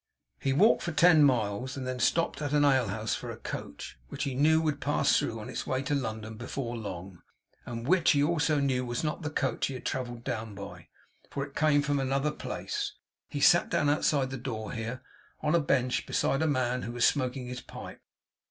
He walked on for ten miles; and then stopped at an ale house for a coach, which he knew would pass through, on its way to London, before long; and which he also knew was not the coach he had travelled down by, for it came from another place. He sat down outside the door here, on a bench, beside a man who was smoking his pipe.